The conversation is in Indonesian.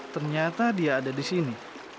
ternyata dia ada di sini